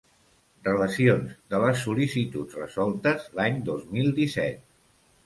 Relacions de les sol·licituds resoltes l'any dos mil disset.